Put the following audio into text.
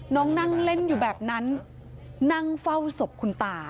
นั่งเล่นอยู่แบบนั้นนั่งเฝ้าศพคุณตา